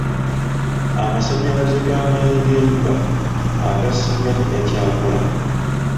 Amasannyalaze g'amaanyi g'enjuba agasinga tegakyakola.